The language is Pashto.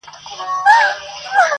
لکه سپر د خوشحال خان وم -